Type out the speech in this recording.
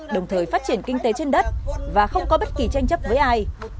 đồng thời phát triển kinh tế trên đất và không có bất kỳ tranh chấp với ai